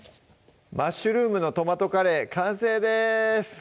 「マッシュルームのトマトカレー」完成です